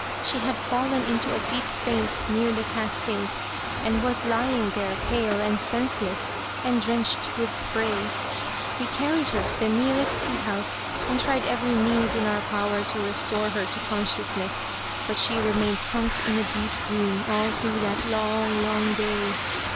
She had fallen into a deep faint near the cascade, and was lying there pale and senseless, and drenched with spray. We carried her to the nearest tea house, and tried every means in our power to restore her to consciousness, but she remained sunk in a deep swoon all through that long, long day.